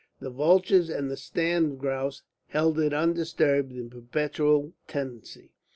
The vultures and the sand grouse held it undisturbed in a perpetual tenancy.